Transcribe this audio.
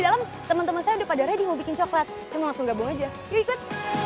dalam temen temen saya udah pada ready mau bikin coklat saya mau langsung gabung aja yuk ikut